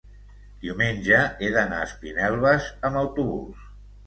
diumenge he d'anar a Espinelves amb autobús.